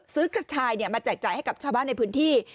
กระชายมาแจกจ่ายให้กับชาวบ้านในพื้นที่